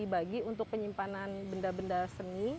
dibagi untuk penyimpanan benda benda seni